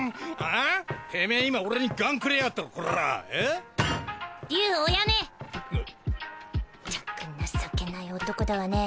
ったく情けない男だわね。